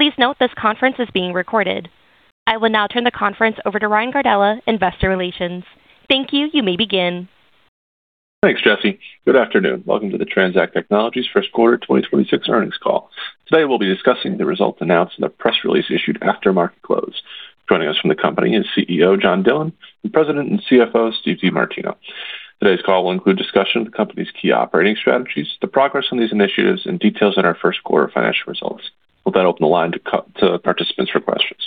Please note this conference is being recorded. I will now turn the conference over to Ryan Gardella, Investor Relations. Thank you. You may begin. Thanks, Jesse. Good afternoon. Welcome to the TransAct Technologies first quarter 2026 earnings call. Today, we'll be discussing the results announced in the press release issued after market close. Joining us from the company is CEO John Dillon and President and CFO Steve DeMartino. Today's call will include discussion of the company's key operating strategies, the progress on these initiatives, and details on our first quarter financial results. We'll then open the line to participants for questions.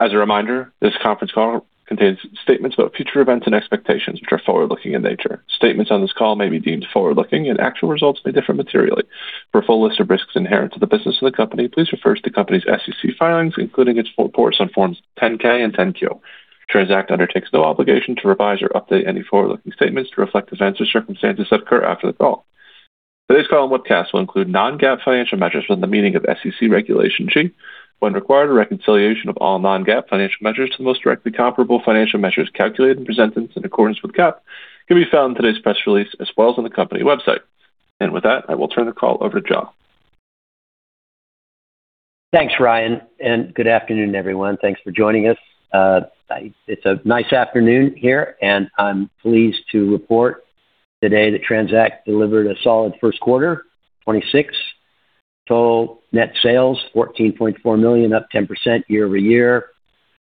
As a reminder, this conference call contains statements about future events and expectations which are forward-looking in nature. Statements on this call may be deemed forward-looking, and actual results may differ materially. For a full list of risks inherent to the business of the company, please refer to the company's SEC filings, including its reports on Forms 10-K and 10-Q. TransAct undertakes no obligation to revise or update any forward-looking statements to reflect events or circumstances that occur after the call. Today's call and webcast will include non-GAAP financial measures within the meaning of SEC Regulation G. When required, a reconciliation of all non-GAAP financial measures to the most directly comparable financial measures calculated and presented in accordance with GAAP can be found in today's press release as well as on the company website. With that, I will turn the call over to John. Thanks, Ryan, and good afternoon, everyone. Thanks for joining us. It's a nice afternoon here, and I'm pleased to report today that TransAct delivered a solid first quarter, 2026. Total net sales, $14.4 million, up 10% year-over-year,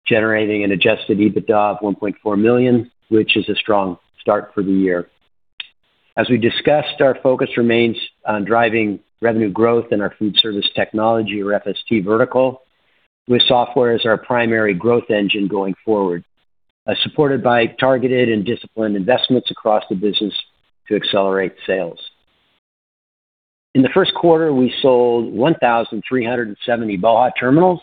generating an adjusted EBITDA of $1.4 million, which is a strong start for the year. As we discussed, our focus remains on driving revenue growth in our Food Service Technology or FST vertical, with software as our primary growth engine going forward, supported by targeted and disciplined investments across the business to accelerate sales. In the first quarter, we sold 1,370 BOHA! Terminals,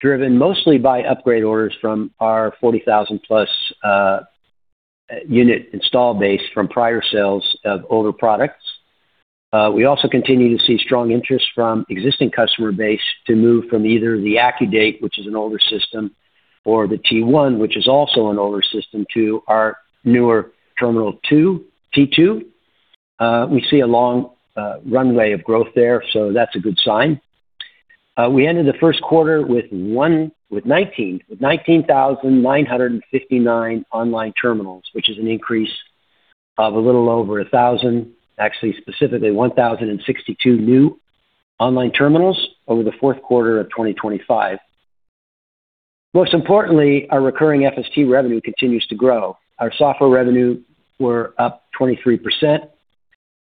driven mostly by upgrade orders from our 40,000+ unit install base from prior sales of older products. We also continue to see strong interest from existing customer base to move from either the AccuDate, which is an older system, or the T1, which is also an older system, to our newer Terminal 2, T2. We see a long runway of growth there, so that's a good sign. We ended the first quarter with 19,959 online terminals, which is an increase of a little over 1,000, actually specifically 1,062 new online terminals over the fourth quarter of 2025. Most importantly, our recurring FST revenue continues to grow. Our software revenue were up 23%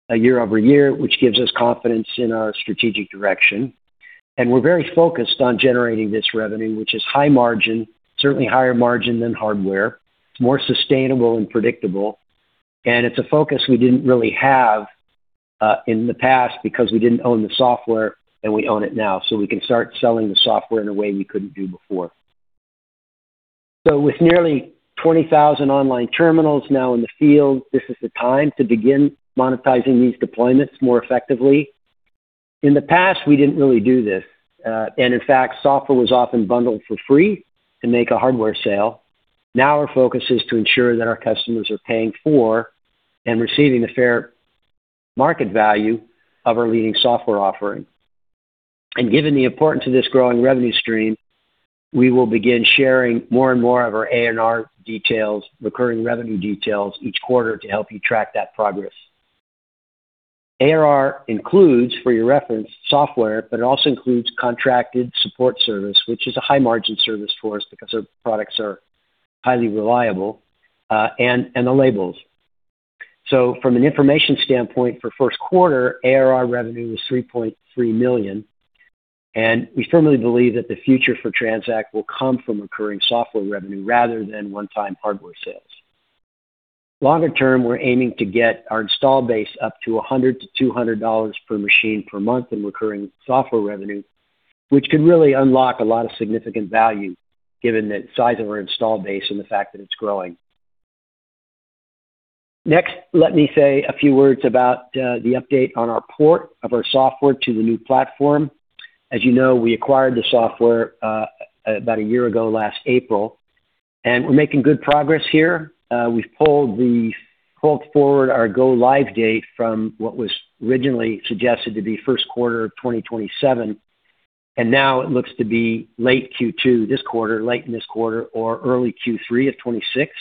year-over-year, which gives us confidence in our strategic direction. We're very focused on generating this revenue, which is high margin, certainly higher margin than hardware. It's more sustainable and predictable. It's a focus we didn't really have in the past because we didn't own the software, and we own it now. We can start selling the software in a way we couldn't do before. With nearly 20,000 online terminals now in the field, this is the time to begin monetizing these deployments more effectively. In the past, we didn't really do this. In fact, software was often bundled for free to make a hardware sale. Now our focus is to ensure that our customers are paying for and receiving the fair market value of our leading software offering. Given the importance of this growing revenue stream, we will begin sharing more and more of our ARR details, recurring revenue details each quarter to help you track that progress. ARR includes, for your reference, software, but it also includes contracted support service, which is a high-margin service for us because our products are highly reliable, and the labels. From an information standpoint for first quarter, ARR revenue was $3.3 million, and we firmly believe that the future for TransAct will come from recurring software revenue rather than one-time hardware sales. Longer term, we're aiming to get our install base up to $100-$200 per machine per month in recurring software revenue, which could really unlock a lot of significant value given the size of our install base and the fact that it's growing. Next, let me say a few words about the update on our port of our software to the new platform. As you know, we acquired the software about one year ago last April, we're making good progress here. We've pulled forward our go-live date from what was originally suggested to be Q1 2027. Now it looks to be late Q2 this quarter, late in this quarter or early Q3 2026.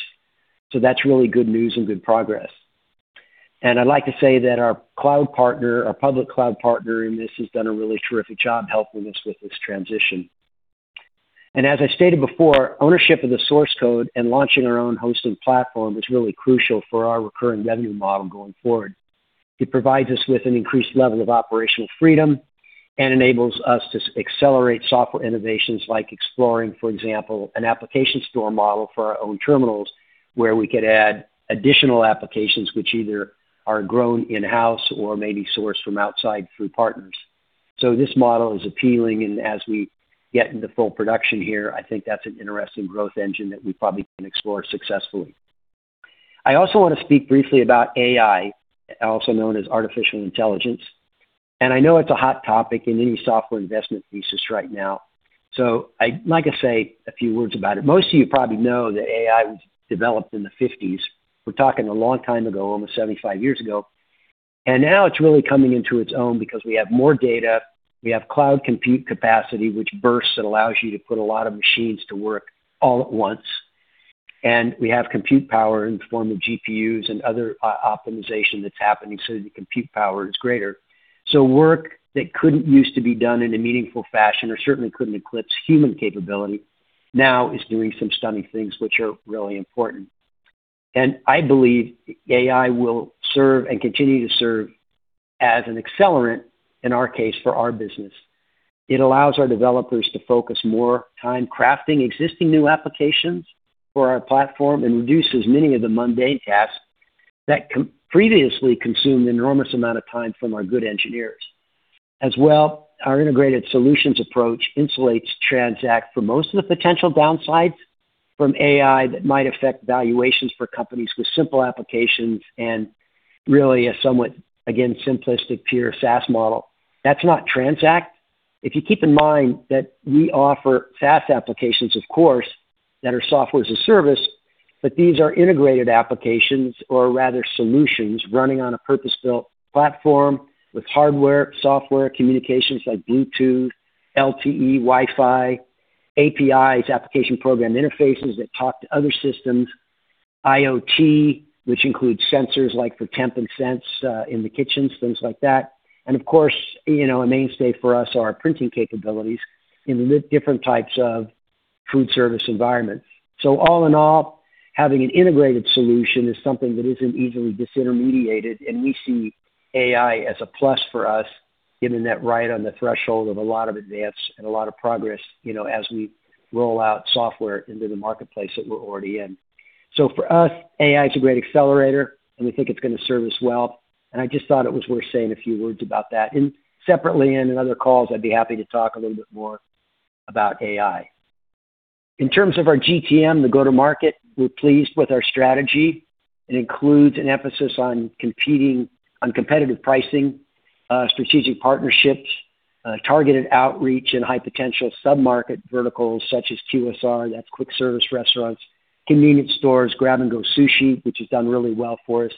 That's really good news and good progress. I'd like to say that our cloud partner, our public cloud partner in this has done a really terrific job helping us with this transition. As I stated before, ownership of the source code and launching our own hosting platform is really crucial for our recurring revenue model going forward. It provides us with an increased level of operational freedom and enables us to accelerate software innovations like exploring, for example, an application store model for our own terminals, where we could add additional applications which either are grown in-house or may be sourced from outside through partners. This model is appealing, and as we get into full production here, I think that's an interesting growth engine that we probably can explore successfully. I also want to speak briefly about AI, also known as artificial intelligence. I know it's a hot topic in any software investment thesis right now. I'd like to say a few words about it. Most of you probably know that AI was developed in the 1950s. We're talking a long time ago, almost 75 years ago. Now it's really coming into its own because we have more data, we have cloud compute capacity, which bursts and allows you to put a lot of machines to work all at once. We have compute power in the form of GPUs and other optimization that's happening so the compute power is greater. Work that couldn't used to be done in a meaningful fashion or certainly couldn't eclipse human capability now is doing some stunning things which are really important. I believe AI will serve and continue to serve as an accelerant, in our case, for our business. It allows our developers to focus more time crafting existing new applications for our platform and reduces many of the mundane tasks that previously consumed enormous amount of time from our good engineers. Our integrated solutions approach insulates TransAct for most of the potential downsides from AI that might affect valuations for companies with simple applications and really a somewhat, again, simplistic pure SaaS model. That's not TransAct. If you keep in mind that we offer SaaS applications, of course, that are software as a service, but these are integrated applications or rather solutions running on a purpose-built platform with hardware, software, communications like Bluetooth, LTE, Wi-Fi, APIs, application program interfaces that talk to other systems, IoT, which includes sensors like for Temp and Sense in the kitchens, things like that. Of course, you know, a mainstay for us are our printing capabilities in the different types of food service environments. All in all, having an integrated solution is something that isn't easily disintermediated, and we see AI as a plus for us, given that right on the threshold of a lot of advance and a lot of progress, you know, as we roll out software into the marketplace that we're already in. For us, AI is a great accelerator, and we think it's going to serve us well, and I just thought it was worth saying a few words about that. Separately and in other calls, I'd be happy to talk a little bit more about AI. In terms of our GTM, the go-to-market, we're pleased with our strategy. It includes an emphasis on competitive pricing, strategic partnerships, targeted outreach, and high-potential sub-market verticals such as QSR, that's quick service restaurants, convenience stores, grab-and-go sushi, which has done really well for us,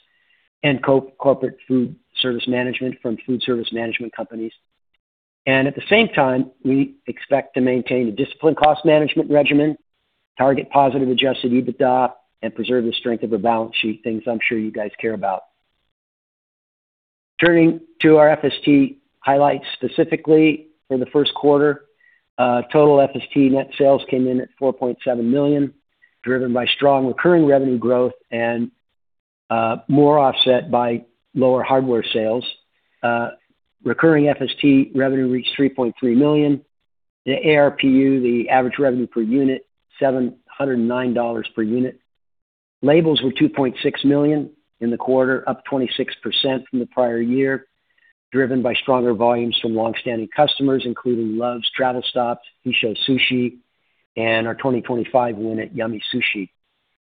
and co-corporate food service management from food service management companies. At the same time, we expect to maintain a disciplined cost management regimen, target positive adjusted EBITDA, and preserve the strength of our balance sheet, things I'm sure you guys care about. Turning to our FST highlights specifically for the first quarter, total FST net sales came in at $4.7 million, driven by strong recurring revenue growth and more offset by lower hardware sales. Recurring FST revenue reached $3.3 million. The ARPU, the average revenue per unit, $709 per unit. Labels were $2.6 million in the quarter, up 26% from the prior year, driven by stronger volumes from long-standing customers, including Love's Travel Stops, Hissho Sushi, and our 2025 win at Yummy Sushi.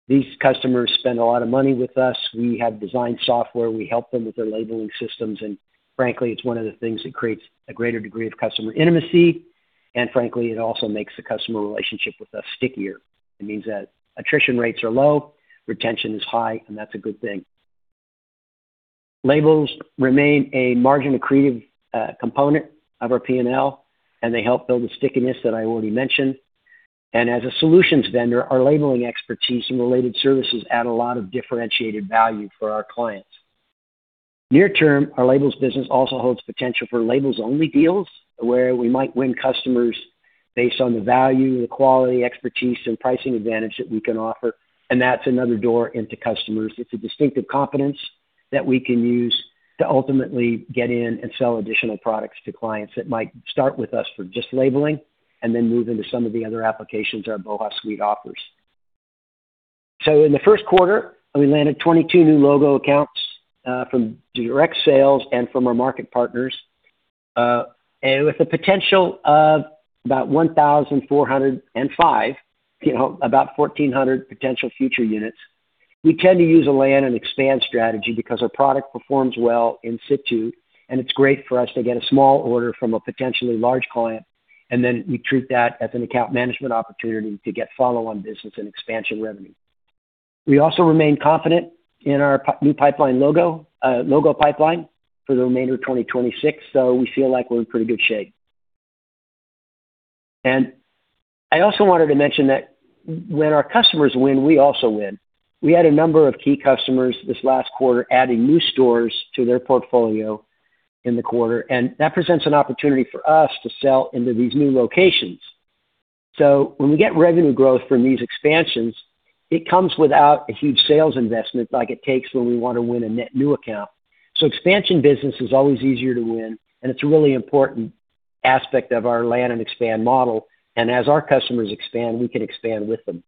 These customers spend a lot of money with us. We have designed software. We help them with their labeling systems, and frankly, it's one of the things that creates a greater degree of customer intimacy, and frankly, it also makes the customer relationship with us stickier. It means that attrition rates are low, retention is high, and that's a good thing. Labels remain a margin-accretive component of our P&L, and they help build the stickiness that I already mentioned. As a solutions vendor, our labeling expertise and related services add a lot of differentiated value for our clients. Near term, our labels business also holds potential for labels-only deals, where we might win customers based on the value, the quality, expertise, and pricing advantage that we can offer. That's another door into customers. It's a distinctive competence that we can use to ultimately get in and sell additional products to clients that might start with us for just labeling and then move into some of the other applications our BOHA! Suite offers. In the first quarter, we landed 22 new logo accounts from direct sales and from our market partners, and with the potential of about 1,405, you know, about 1,400 potential future units. We tend to use a land and expand strategy because our product performs well in situ. It's great for us to get a small order from a potentially large client, then we treat that as an account management opportunity to get follow-on business and expansion revenue. We also remain confident in our new pipeline logo pipeline for the remainder of 2026, we feel like we're in pretty good shape. I also wanted to mention that when our customers win, we also win. We had a number of key customers this last quarter adding new stores to their portfolio in the quarter. That presents an opportunity for us to sell into these new locations. When we get revenue growth from these expansions, it comes without a huge sales investment like it takes when we want to win a net new account. Expansion business is always easier to win, and it's a really important aspect of our land and expand model. As our customers expand, we can expand with them.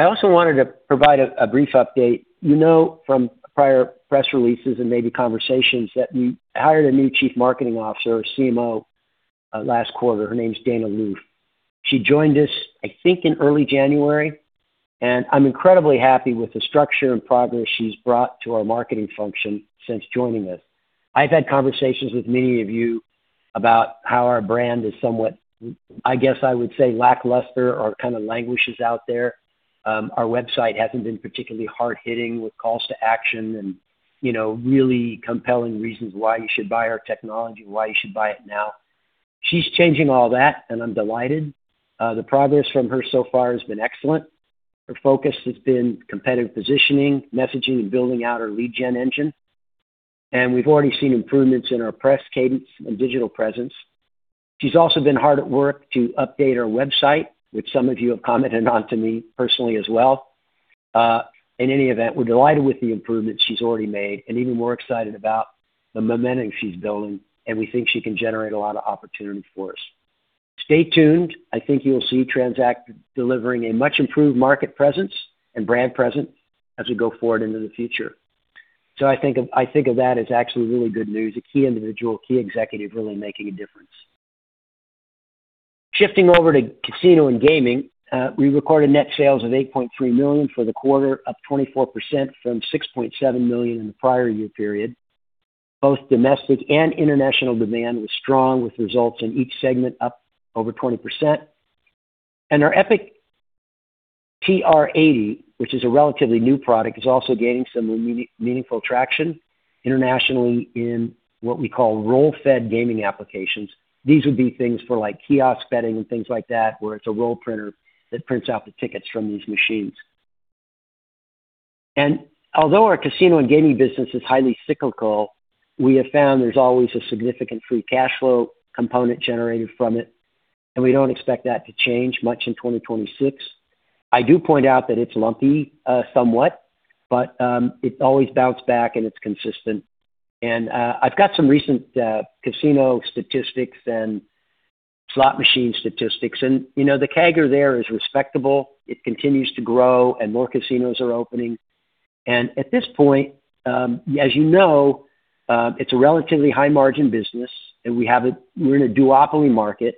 I also wanted to provide a brief update. You know from prior press releases and maybe conversations that we hired a new Chief Marketing Officer, CMO, last quarter. Her name's Dana Loof. She joined us, I think, in early January, and I'm incredibly happy with the structure and progress she's brought to our marketing function since joining us. I've had conversations with many of you about how our brand is somewhat, I guess I would say lackluster or kind of languishes out there. Our website hasn't been particularly hard-hitting with calls to action and, you know, really compelling reasons why you should buy our technology, why you should buy it now. She's changing all that. I'm delighted. The progress from her so far has been excellent. Her focus has been competitive positioning, messaging, and building out our lead gen engine. We've already seen improvements in our press cadence and digital presence. She's also been hard at work to update our website, which some of you have commented on to me personally as well. In any event, we're delighted with the improvements she's already made and even more excited about the momentum she's building. We think she can generate a lot of opportunity for us. Stay tuned. I think you'll see TransAct delivering a much improved market presence and brand presence as we go forward into the future. I think of that as actually really good news. A key individual, key executive really making a difference. Shifting over to casino and gaming, we recorded net sales of $8.3 million for the quarter, up 24% from $6.7 million in the prior year period. Both domestic and international demand was strong, with results in each segment up over 20%. Our Epic TR80, which is a relatively new product, is also gaining some meaningful traction internationally in what we call roll-fed gaming applications. These would be things for, like, kiosk betting and things like that, where it's a roll printer that prints out the tickets from these machines. Although our casino and gaming business is highly cyclical, we have found there's always a significant free cash flow component generated from it, and we don't expect that to change much in 2026. I do point out that it's lumpy, somewhat, but it's always bounced back and it's consistent. I've got some recent casino statistics and slot machine statistics. You know, the CAGR there is respectable. It continues to grow, and more casinos are opening. At this point, as you know, it's a relatively high margin business, and we're in a duopoly market,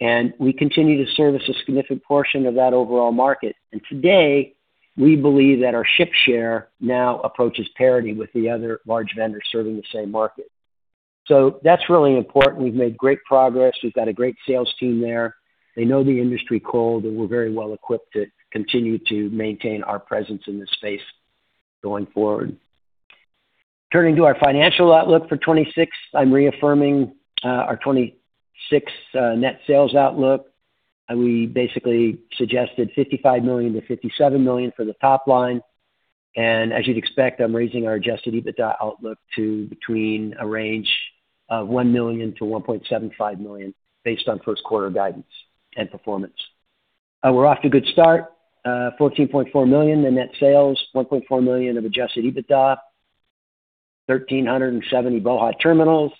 and we continue to service a significant portion of that overall market. Today, we believe that our ship share now approaches parity with the other large vendors serving the same market. That's really important. We've made great progress. We've got a great sales team there. They know the industry cold, and we're very well equipped to continue to maintain our presence in this space going forward. Turning to our financial outlook for 2026, I'm reaffirming our 2026 net sales outlook. We basically suggested $55 million-$57 million for the top line. As you'd expect, I'm raising our adjusted EBITDA outlook to between a range of $1 million-$1.75 million based on first quarter guidance and performance. We're off to a good start. $14.4 million in net sales. $1.4 million of adjusted EBITDA. 1,370 BOHA! Terminals.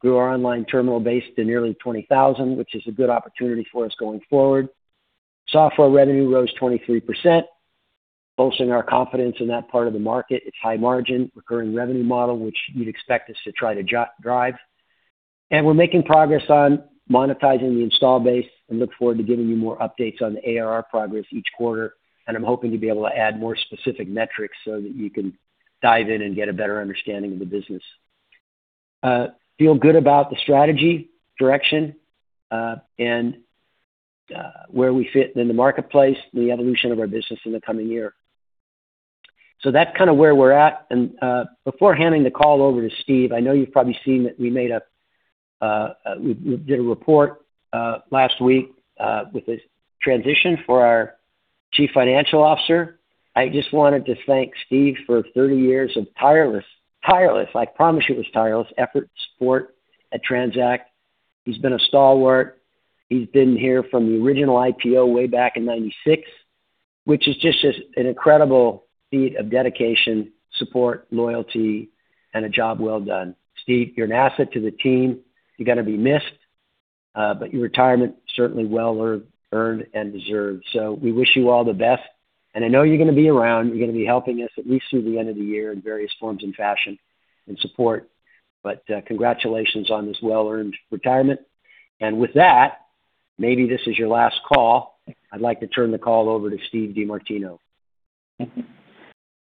Grew our online terminal base to nearly 20,000, which is a good opportunity for us going forward. Software revenue rose 23%, bolstering our confidence in that part of the market. It's high margin, recurring revenue model, which you'd expect us to try to drive. We're making progress on monetizing the install base and look forward to giving you more updates on the ARR progress each quarter. I'm hoping to be able to add more specific metrics so that you can dive in and get a better understanding of the business. Feel good about the strategy, direction, and where we fit in the marketplace and the evolution of our business in the coming year. That's kind of where we're at. Before handing the call over to Steve, I know you've probably seen that we made a report last week, with his transition for our Chief Financial Officer. I just wanted to thank Steve for 30 years of tireless, I promise you it was tireless effort and support at TransAct. He's been a stalwart. He's been here from the original IPO way back in 1996, which is just an incredible feat of dedication, support, loyalty, and a job well done. Steve, you're an asset to the team. You're gonna be missed, your retirement certainly earned and deserved. We wish you all the best. I know you're gonna be around. You're gonna be helping us at least through the end of the year in various forms and fashion and support. Congratulations on this well-earned retirement. With that, maybe this is your last call. I'd like to turn the call over to Steve DeMartino.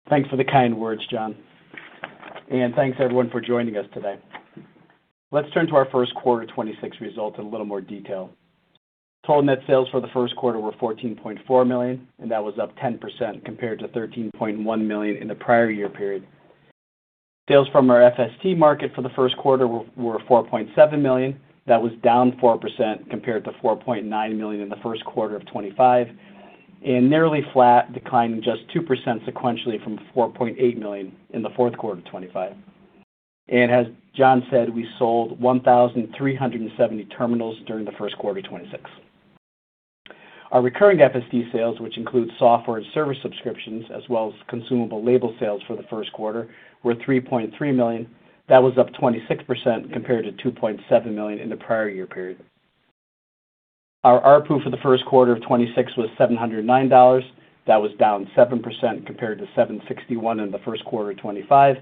Thanks for the kind words, John, and thanks everyone for joining us today. Let's turn to our first quarter 2026 results in a little more detail. Total net sales for the first quarter were $14.4 million, and that was up 10% compared to $13.1 million in the prior year period. Sales from our FST market for the first quarter were $4.7 million. That was down 4% compared to $4.9 million in the first quarter of 2025 and nearly flat, declining just 2% sequentially from $4.8 million in the fourth quarter of 2025. As John said, we sold 1,370 terminals during the first quarter of 2026. Our recurring FST sales, which include software and service subscriptions as well as consumable label sales for the first quarter, were $3.3 million. That was up 26% compared to $2.7 million in the prior year period. Our ARPU for the first quarter of 2026 was $709. That was down 7% compared to $761 in the first quarter of 2025.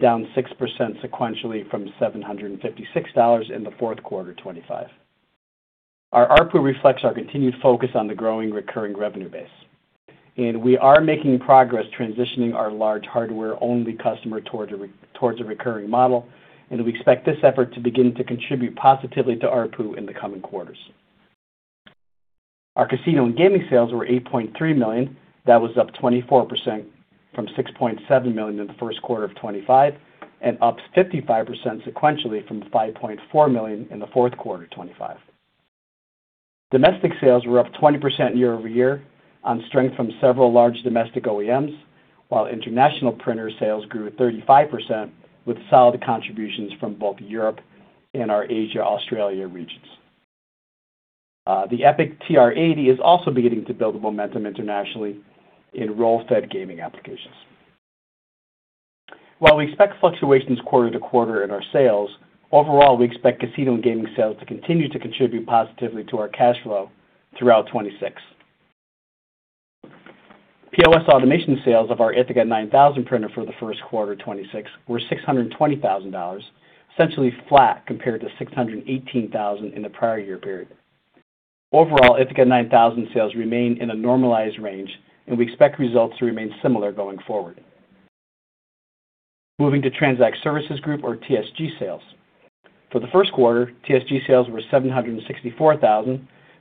Down 6% sequentially from $756 in the fourth quarter 2025. Our ARPU reflects our continued focus on the growing recurring revenue base, and we are making progress transitioning our large hardware-only customer towards a recurring model. We expect this effort to begin to contribute positively to ARPU in the coming quarters. Our casino and gaming sales were $8.3 million. That was up 24% from $6.7 million in the first quarter of 2025 and up 55% sequentially from $5.4 million in the fourth quarter 2025. Domestic sales were up 20% year-over-year on strength from several large domestic OEMs, while international printer sales grew at 35% with solid contributions from both Europe and our Asia, Australia regions. The Epic TR80 is also beginning to build momentum internationally in roll-fed gaming applications. While we expect fluctuations quarter-to-quarter in our sales, overall, we expect casino and gaming sales to continue to contribute positively to our cash flow throughout 2026. POS automation sales of our Ithaca 9000 printer for the first quarter 2026 were $620,000, essentially flat compared to $618,000 in the prior year period. Overall, Ithaca 9000 sales remain in a normalized range, and we expect results to remain similar going forward. Moving to TransAct Services Group or TSG sales. For the first quarter, TSG sales were $764,000.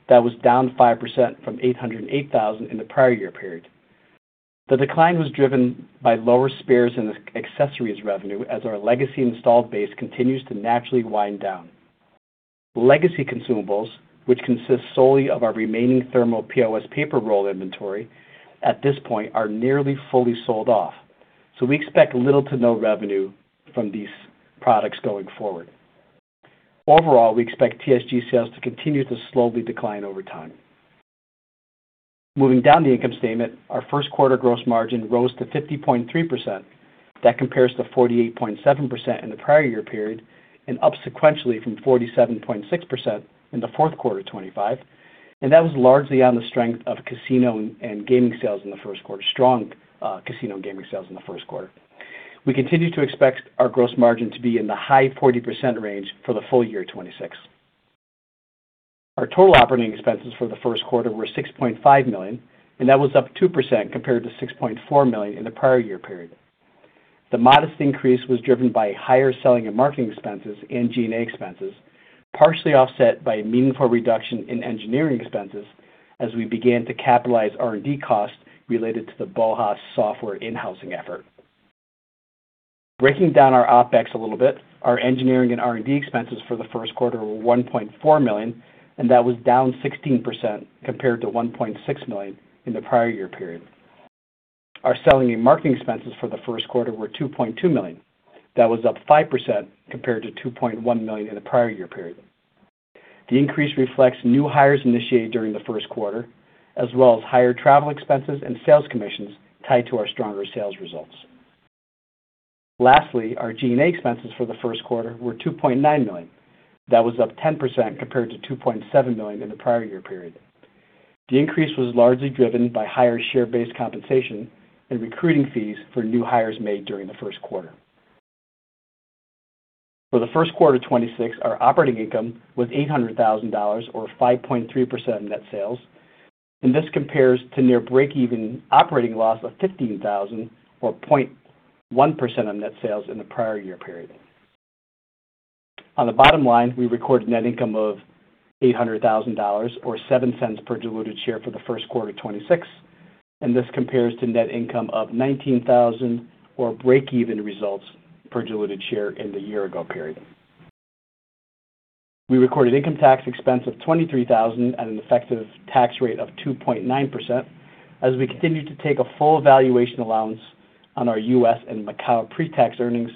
That was down 5% from $808,000 in the prior year period. The decline was driven by lower spares and accessories revenue as our legacy installed base continues to naturally wind down. Legacy consumables, which consist solely of our remaining thermal POS paper roll inventory, at this point, are nearly fully sold off, so we expect little to no revenue from these products going forward. Overall, we expect TSG sales to continue to slowly decline over time. Moving down the income statement, our first quarter gross margin rose to 50.3%. That compares to 48.7% in the prior year period and up sequentially from 47.6% in the fourth quarter 2025. That was largely on the strength of casino and gaming sales in the first quarter. Strong casino gaming sales in the first quarter. We continue to expect our gross margin to be in the high 40% range for the full year 2026. Our total operating expenses for the first quarter were $6.5 million, and that was up 2% compared to $6.4 million in the prior year period. The modest increase was driven by higher selling and marketing expenses and G&A expenses, partially offset by a meaningful reduction in engineering expenses as we began to capitalize R&D costs related to the BOHA! software in-housing effort. Breaking down our OpEx a little bit, our engineering and R&D expenses for the first quarter were $1.4 million. That was down 16% compared to $1.6 million in the prior year period. Our selling and marketing expenses for the first quarter were $2.2 million. That was up 5% compared to $2.1 million in the prior year period. The increase reflects new hires initiated during the first quarter, as well as higher travel expenses and sales commissions tied to our stronger sales results. Lastly, our G&A expenses for the first quarter were $2.9 million. That was up 10% compared to $2.7 million in the prior year period. The increase was largely driven by higher share-based compensation and recruiting fees for new hires made during the first quarter. For the first quarter 2026, our operating income was $800,000 or 5.3% of net sales. This compares to near break-even operating loss of $15,000 or 0.1% of net sales in the prior year period. On the bottom line, we recorded net income of $800,000 or $0.07 per diluted share for the first quarter 2026. This compares to net income of $19,000 or break-even results per diluted share in the year-ago period. We recorded income tax expense of $23,000 at an effective tax rate of 2.9% as we continued to take a full valuation allowance on our US and Macau pre-tax earnings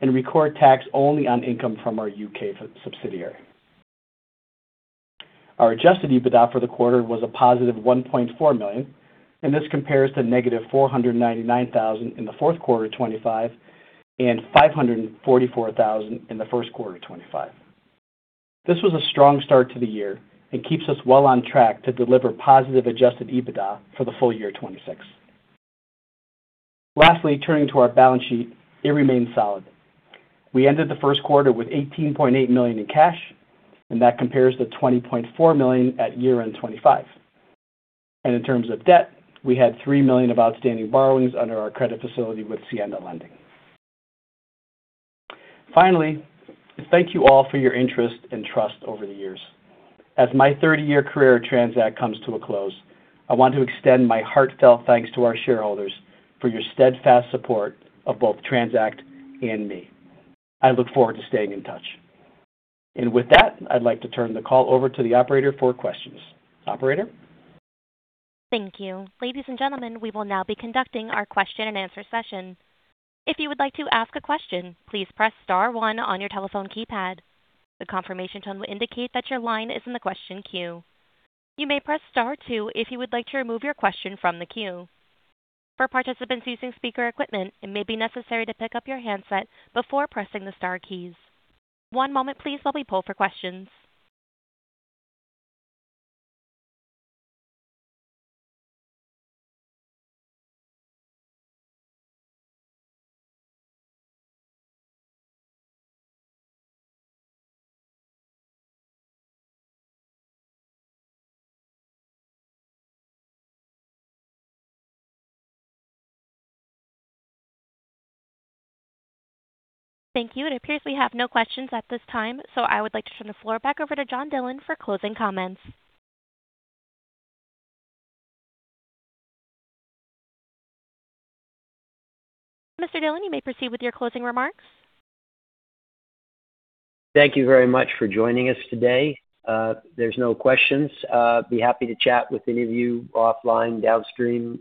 and record tax only on income from our UK sub-subsidiary. Our adjusted EBITDA for the quarter was a positive $1.4 million. This compares to negative $499,000 in the fourth quarter 2025 and $544,000 in the first quarter 2025. This was a strong start to the year and keeps us well on track to deliver positive adjusted EBITDA for the full year 2026. Lastly, turning to our balance sheet, it remains solid. We ended the first quarter with $18.8 million in cash. That compares to $20.4 million at year-end 2025. In terms of debt, we had $3 million of outstanding borrowings under our credit facility with Siena Lending. Finally, thank you all for your interest and trust over the years. As my 30-year career at TransAct comes to a close, I want to extend my heartfelt thanks to our shareholders for your steadfast support of both TransAct and me. I look forward to staying in touch. With that, I'd like to turn the call over to the operator for questions. Operator? Thank you. Ladies and gentlemen, we will now be conducting our question and answer session. If you would like to ask a question, please press star one on your telephone keypad. The confirmation tone will indicate that your line is in the question queue. You may press star two if you would like to remove your question from the queue. For participants using speaker equipment, it may be necessary to pick up your handset before pressing the star keys. One moment please while we poll for questions. Thank you. It appears we have no questions at this time, so I would like to turn the floor back over to John Dillon for closing comments. Mr. Dillon, you may proceed with your closing remarks. Thank you very much for joining us today. There's no questions. Be happy to chat with any of you offline downstream.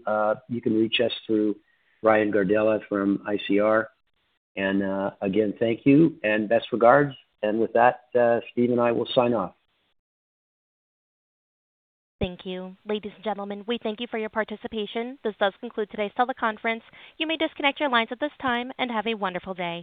You can reach us through Ryan Gardella from ICR. Again, thank you and best regards. With that, Steve and I will sign off. Thank you. Ladies and gentlemen, we thank you for your participation. This does conclude today's teleconference. You may disconnect your lines at this time, and have a wonderful day.